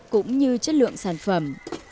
cũng như chất lượng sản phẩm